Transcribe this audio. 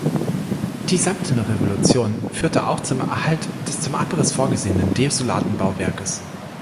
Die Samtene Revolution führte auch zum Erhalt des zum Abriss vorgesehenen desolaten Bauwerkes.